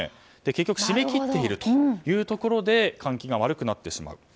結局閉め切っているというところで換気が悪くなってしまう。